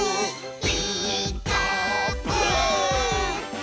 「ピーカーブ！」